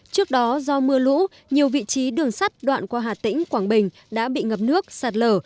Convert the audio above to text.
trước đó do mưa lũ nhiều vị trí đường sắt đoạn qua hà tĩnh quảng bình đã bị ngập nước sạt lở